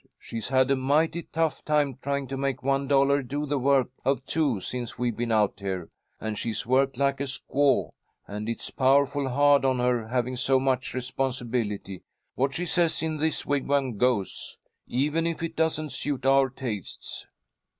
She's had a mighty tough time trying to make one dollar do the work of two since we've been out here. And she's worked like a squaw, and it's powerful hard on her having so much responsibility. What she says in this wigwam goes, even if it doesn't suit our tastes!"